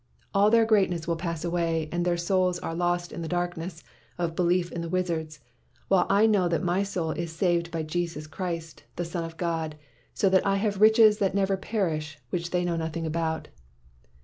All their great ness will pass away, and their souls are lost in the darkness of belief in the wizards, while I know that my soul is saved by Jesus Christ, the Son of God, so that I have riches that never perish which they know nothing about.'